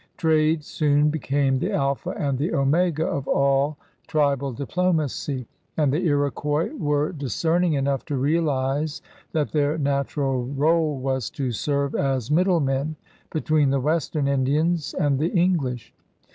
Trade soon became the Alpha and the Omega of all tribal diplomacy, and the Iroquois were discerning enough to realize that their natural r61e was to serve as middlemen between the western Indians and the English.